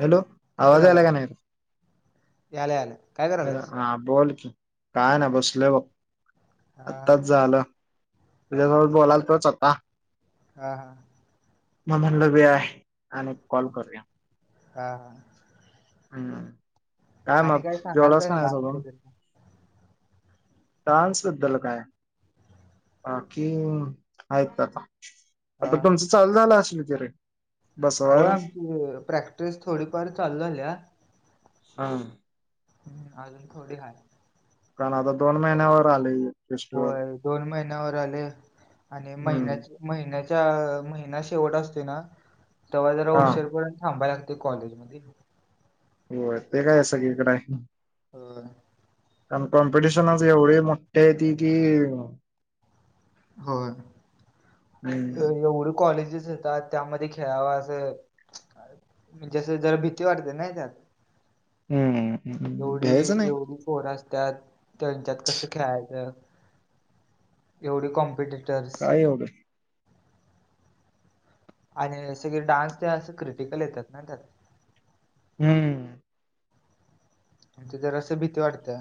Hello काय आवाज करायलाय यालय का नाही? यालाय यालाय काय हॅलो करायलायस हा बोल की काय नाय बसलोय बघ, हा आताच झालो. तुझ्या बरोबर बोलालतोच आता. हा हा. म्हणत बी आहे आणि कॉल हा करूया हा. हम्म काय आणि मग जेवलास सांगालतास का नायस अजून? डान्सबद्दल डान्सबद्दल काय. बाकी आहेत काका, हा आता हा. तुमचं चालू झालं असल की रे? हो बसवाय आमची प्रॅक्टिस थोडीफार चालू झालीया. हा. हम्म अजून थोडी हाय. कारण आता दोन महिन्यावर आलय. होय दोन महिन्यावर आले आणि हम्म महिन्याचे. महिन्याच्या महिना शेवट असते ना तेव्हा जरा हा उशीरपर्यंत थांबा या ते कॉलेज मध्ये. हो ते काय सगळीकडे आहे. होय. कारण कॉम्पिटिशन आज एवढी मोठी आहे ती की. होय हम्म एवढे कॉलेजेस आहेत. का त्यामध्ये खेळावा असं म्हणजे जरा भीती वाढते नाही त्यात. हम्म हम्म. एवढी घ्यायचं नाही एवढी पोरं असतात, त्यांच्यात कस खेळायचं एवढी कॉमपिट काय एवढ. आणि सगळी डान्स ते असं क्रिटिकल येतात ना त्या. हम्म. आणि तिथ जरासं भीती वाटते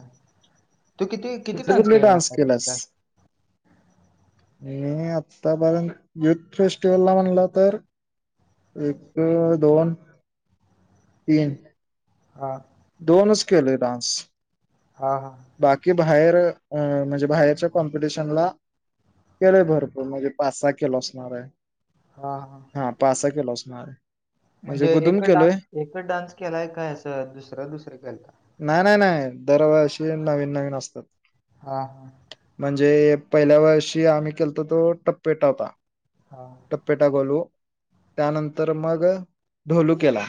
तू किती किती कुठले डान्स कुठले केले केलास आतापर्यंत? मी आतापर्यंत युथ फेस्टिवलला म्हणलं तर. एक दोन, दवाण. तीन हा दोनच केले डान्स. हा हा बाकी बाहेर अ म्हणजे बाहेरच्या कॉम्पिटिशनला केलंय भरपूर म्हणजे पाच सहा केलो असणार आहे. हा हा. हा पाच सहा केला असणार. म्हणजे गुदुम एक केलोय डान्स एक डान्स केलाय काय अस दुसरं दुसरे केलता नाही नाही नाही दरवर्षी नवीन नवीन असतात. ह हा. म्हणजे पहिल्या वर्षी आम्ही केलता तो टप्पे टावता. हा. कपेटा गोलू त्यानंतर मग ढोलू केला.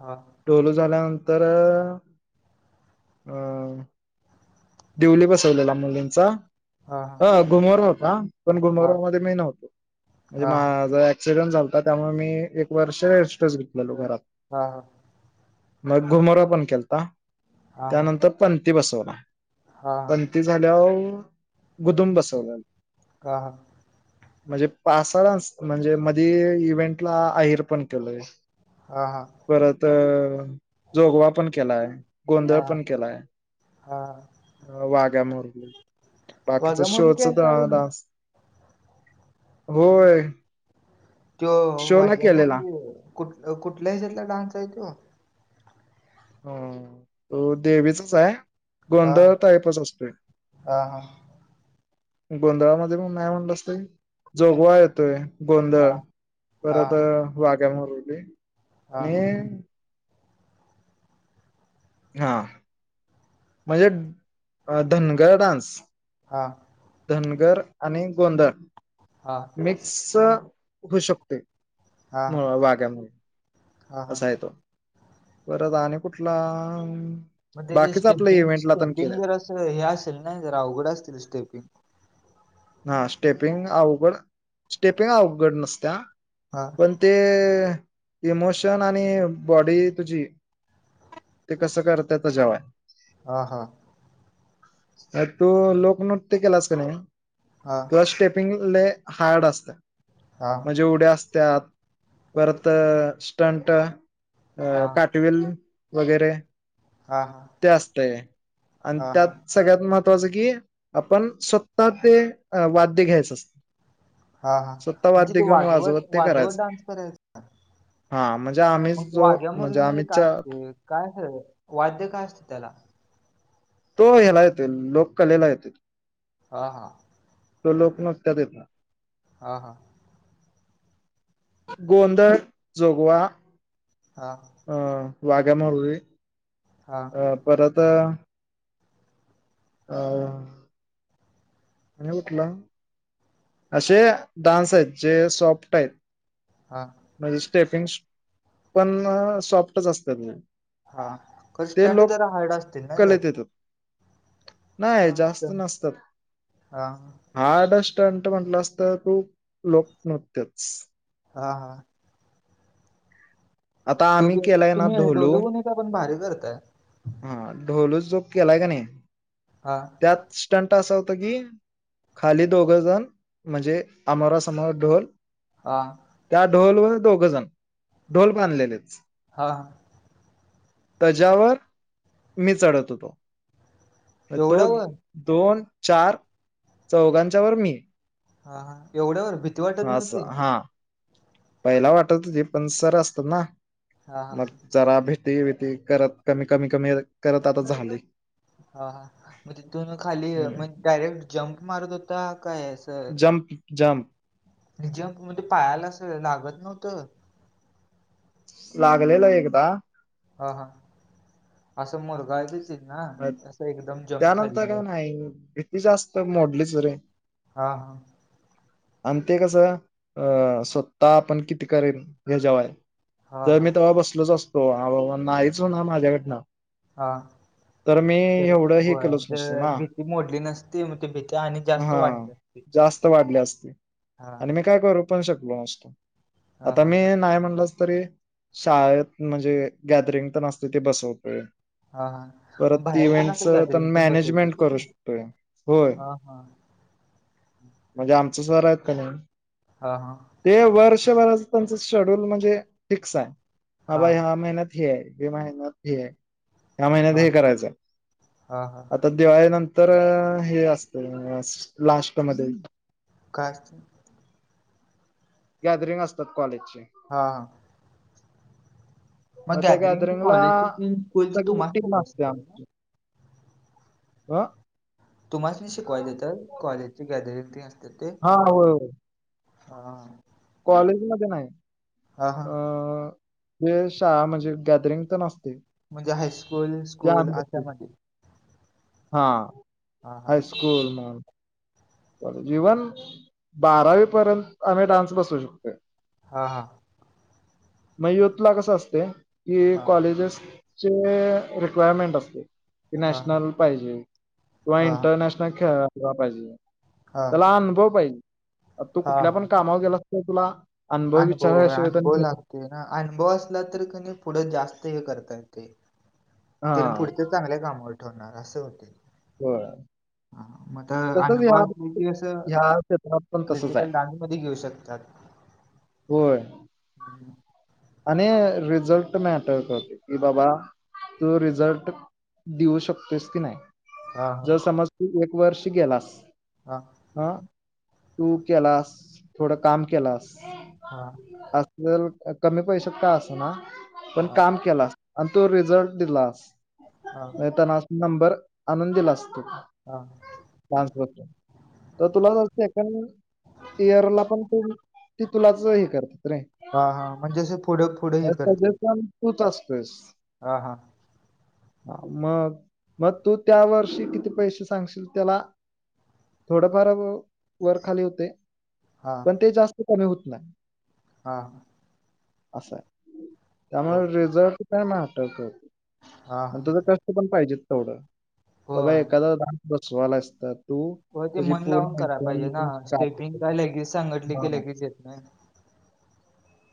हा. ढोलू झाल्यानंतर अ देवली बसवलेला मुलींचा. हा ह घुमरा होता पण हा घुमरा मध्ये मी नव्हतो म्हणजे हा माझ एक्सिडेंट झाता त्यामुळे मी एक वर्ष रेस्ट घेतलेलो घरात. हा हा. मग घुमोरा पण केलता हा हा त्यानंतर पणथी बसवला. हा पणथी झाल्यावर गुदुम बसवला. काहा? म्हणजे पाचसहा डान्स म्हणजे मध्ये इव्हेंटला आहेर पण केलोय. हा हा परत जोगवा पण केलाय, गोंधळ हा पण केलाय. हा. वाघ्या मुरळी बाकीचा वाघ्या मुरली शोच तर केलता अ तुम्ही? डान्स होय. त्यो शोला वाघ्या केलेला मुरली कुठ कुठल्या हेजातला डान्स आहे तो? हम्म तो देवीचाच आहे. हा गोंधळ टाईपच असतोय. हा हा गोंधळामध्ये मग नाय म्हटलंस तरी जोगवा येतोय. गोंधळ हा हा परत वाग्या मुरली हा. आणि हा. म्हणजे अ धनगर डान्स. हा. धनगर आणि गोंदळ हा. मिक्स होऊ शकतोय हा हा वाग्या मुरली. हा हा असा आहे तो परत आणि कुठला मग त्याच्या बाकीच आपल्या स्टेपिंग इव्हेंटला पण स्टेपिंग केलंय जरा असं हे असेल ना जरा अवघड असतील ना स्टेपिंग? हा स्टेपिंग अवघड स्टेपिंग अवघड नसत्या हा पण ते इमोशन आणि बॉडी तुझी ते कसं करतय तेज्यावर हाय. हा हा. अतू लोकनृत्य केलास का नाही? हा. तुला स्टेपिंग लय हार्ड असत्या हा म्हणजे उड्या असतात. परत स्टंट अ हा काटविल वगैरे हा ते असतय आणि हा त्यात सगळ्यात महत्त्वाचं कि आपण स्वतः ते अ वाद्य घ्यायचं अस हा हा म्हणजे ते वाजवत ते वाजवत करायचं. डान्स कराय हा म्हणजे आम्हीच मग जो वाघ्या मुरली म्हणजे काय आम्हीच्या ते? काय खर वाद्य काय असतं त्याला? तो ह्याला येतोय लोककलेला येतोय. हा हां. ते लोक नृत्यात येतं. ह हा. गोंदळ जोगवा हा. अ वाघ्या मुरळी हा अ परत अ आणि कुठला? असे डान्स आहेत जे सॉफ्ट आहेत. हा. म्हणजे स्टेपिंगस पण सॉफ्टच असतात. हा हा खर ते स्टंट लोक जरा हार्ड असतील ना कलेत त्यात? येतात नाही हा हा [unintelligible] हा आता स्टंट म्हटलंस तर लोकनृत्यच. हा हा. आता आम्ही तूम्ही केलाय ना तुम्ही डोल ढोलू गुणी [unintelligible] तर पण भारी करताय. हा ढोलूच चोक केलाय का नाही? हा. त्यात स्टंट असा होता की खाली दोघंजण म्हणजे अमोरा समोर ढोल हा. त्या ढोलवरच दोघ जण ढोल बांधलेलेच. हा. त्याच्यावर मी चढत होतो. तो एवढ्यावर? दोन चार चौघांच्या वर मी. हा हा एवढं वर भिती वाटत असं नवती? हा पहिला वाटत होती पण सर असतात ना हां हां. मग जरा भिती भिती करत कमी कमी कमी करत आता झालय. हा हा मग तिथून खाली हम्म म्हण डायरेक्ट जम्प मारत होता काय जम्प जम्प. आणि जंपमध्ये म्हणजे पायाला अस लागत नव्हतं? लागलेल एकदा. हा हा असं मुरगा आहे देतील ना मग असं एकदम जम्प त्यानंतर खाल्यावर. काय नाही [unintelligible] ही जास्त मोडलीच रे. हा हा. आण ते कसं अ स्वतः आपण किती करेल हेचावर हाय. हां जर हां. मी तेव्हा बसलोच असतो हाबाबा नाहीच होनार माझ्याकडन. हा. चला एवढं हे गोव्याला, केलंच तर नसतं व ना भीती मोडली नसती म ते भीती आणि जास्त हा वाढली असती. जास्त वाढली असती हां. आणि मी काय करू पण शकलो नसत हां हां. तरी शाळेत म्हणजे गॅदरिंग पण असते, ते बसवतोय. ह हा. परत ती इव्हेंटच मॅनेजमेंट होय करू तू? शकते, होय. हां हां. म्हणजे आमच सर आहेत का नाही. हा हा. ते वर्षभरस त्यांच शेड्यूल म्हणजे फिक्स आहे, बाबा हां. ह्या महिन्यात. ही आय महिन्यात हे आय या महिन्यात हां. हे करायचं, हां हां. आता दिवाळीनंतर हे असत, लास्टमध्ये. काय? गॅदरिंग असतात कॉलेजचे. हा. म त्या गॅदरिंग ते गॅदरिंगला कॉलेजचे ते स्कूलचे सगळी तुम्हाच टीम देतात असत्या शिकवायला? आमची. ओ. तुम्हाचनी शिकवाय देत्यात? कॉलेजचे गॅदरिंग ते असते ते. हा होय होय. हा, हा. कॉलेज मध्ये नाही हां. अ. तेच शाळा म्हणजे गैदरिंग पण असतय. म्हणजे हायस्कूल, स्कूल अशामध्ये. हा हां हां. हायस्कूल जीवन बारावी पर्यंत आम्ही डान्स बसू शकतोय. हा हा. मग युथला कसं असते की, हां. कॉलेजेसचे रिक्वायरमेंट असत्यात. ते हां. नॅशनल पाहिजे किंवा हां. इंटरनॅशनल खेळाला पाहिजे. हां. हां. त्याला अनुभव पाहिजे आ तू कुठल्या पण हां. कामावर गेलास तर तुला अनभव विचारल्या शिवाय त्यांनी घेत नायत. ते ना अनुभव असला तरी का नय, पुढं जास्त हे करताात ते हा ते ना पुढच चांगल्या कामावर ठेवणार असे होतय ते. होय. ह मग तर तसंच अनुभव ह्या असले की असं ह्या क्षेत्रात पण तसंच आहे क्रिटिकल डान्स मधी घेऊ शकतात. होय. हम्म. आणि रिझल्ट मॅटर करते की बाबा तू रिझल्ट. देऊ शकतोस की नाही? हां, जर समज तू एक वर्ष गेलास. हा. हं तू केलास थोडं काम केलास. हा. असल कमी पैशात का असं ना. पण हां. काम केलास आणि तो रिझल्ट दिलास हां. ताना. नंबर आणून दिल असतो, हां. तासगावातून. तर तुला जास्त ए इयर ला पण तू ते तुलाच हे करतात रे. हा हा म्हणजे असे पुढं पुढे अ हे करतील [unintelligible] तूच असतोयस. हा हा. ह मग मग तू त्या वर्षी किती पैसे सांगशील त्याला थोडंफार व वर खाली होते हा पण ते जास्त कमी होत नाही. हा. असा आहे त्यामुळे ओके रिझर्ट चं काय नाय वाटत हा मग हा तुझं [unintelligible] पण पाहिजेत तेवढं बाबा होय एखादा डान्स बसवालायस तर होय ते मन लाऊन करायला पाहिजे ना स्टेपिंग काढतो. काय लगेज सांगटली की हा. लगेच येत नाही.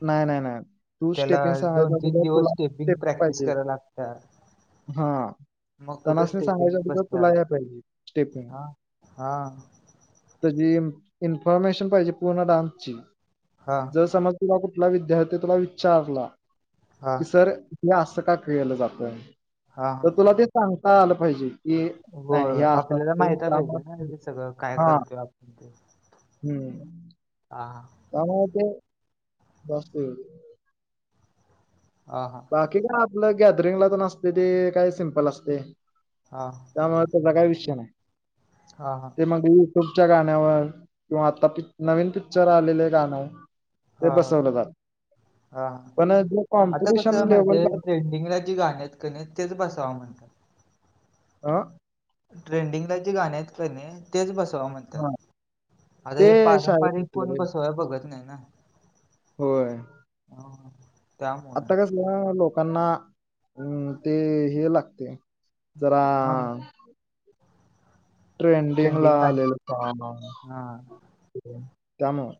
नाही नाही नाही तू त्याला स्टेपिंग दोन सांगायच तीन दिवस तुला स्टेपिंग स्टेप प्रॅक्टिस पाहिजेत. करायला लागत्या हा. मग कुठं त्यानास्नी सांगायच्या स्टेपिंग आधी बसत्या तुला यायला पाहिजेत स्टेप. हा हा त्याची इन्फॉर्मेशन पाहिजे पूर्ण डान्सची हा जर समज तुला कुठला विद्यार्थी तुला विचारला हा की सर हे असं का केलं जात हा तर तुला ते सांगता आलं पाहिजे. ही नाय होय या असं आपल्याला वाटतंय माहिती पण पाहिजे ना आम्हाला हे सगळं काय हा करतोय आपण ते [unintelligible] हम्म. हा. त्यामुळ [unintelligible] ते बेस्ट आहे. आ हा. बाकी काय आपलं गॅदरिंगला तेन असतय ते काय सिम्पल असतंय. हा. त्यामुळे त्याजा काय विषय नाही. हा हा. ते मग युट्यूबच्या गाण्यावर किंवा आता प नवीन पिक्चर आलेल्या गाण्याव ते हा हा बसवलं जलं हा पण जोम [unintelligible] आता कसं माहितीये ट्रेंडिंगला जी गाणी आहेत कनी तेच बसवा म्हणतात. आं? ट्रेंडिंगला जी गाणी आहेत का नाही तेच बसवा म्हणे त्यात आता ते हे शाळेत पारंपरिक होतं कोण रे बसवाय बघत नाही ना. होय. हो [unintelligible] आता कसाल लोकांना अं ते हे लागतय. जरा हा ट्रेंडिंग ला आलेल साँग हा त्यामुळ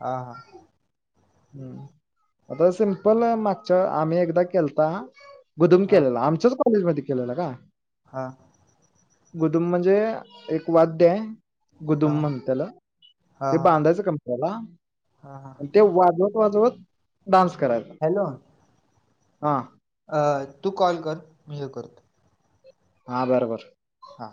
हा ह. हम्म आता सिमपल मागच्या आम्ही एकदा केलता. गुदुम हा केलेला आमच्याच कॉलेजमध्ये केलेलं का? हा. गुदुम म्हणजे एक वाद्य आहे. हा हा गुदुम म्हण त्याला हा ते बांधायचं कामप त्याला हा ते वा [unintelligible] जत [unintelligible] वाजवत डान्स कराय हॅलो अ तू कॉल कर मी हे करतो. हा बर बर. हा.